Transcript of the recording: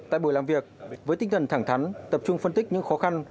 tại buổi làm việc với tinh thần thẳng thắn tập trung phân tích những khó khăn